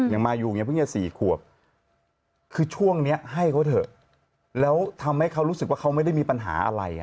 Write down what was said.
มายูไงเพิ่งจะ๔ขวบคือช่วงนี้ให้เขาเถอะแล้วทำให้เขารู้สึกว่าเขาไม่ได้มีปัญหาอะไร